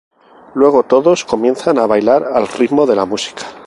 Luego todos comienzan a bailar al ritmo de la música.